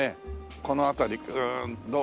この辺りうんどう？